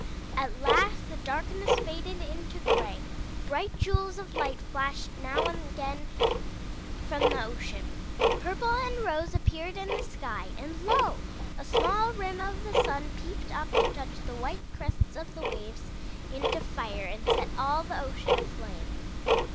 At last the darkness faded into gray; bright jewels of Ught flashed now and again from the ocean. Purple and rose appeared in the sky and lo! a small rim of the sun peeped up to touch the white crests of the waves into fire and set all the ocean aflame.